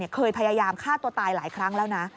พยายามฆ่าตัวตายหลายครั้งแล้วนะ